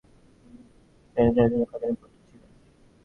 তিনি সৈয়দ আবদুল কাদিরের পুত্র ছিলেন, যিনি নিজেই একজন দরবেশ ছিলেন।